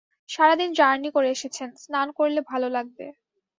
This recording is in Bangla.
সারা দিন জার্নি করে এসেছেন, স্নান করলে ভালো লাগবে।